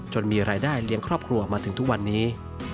มีรายได้เลี้ยงครอบครัวมาถึงทุกวันนี้